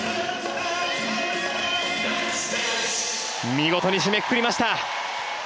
見事に締めくくりました。